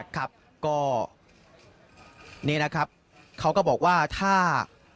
ครับก็นี่นะครับเขาก็บอกว่าถ้า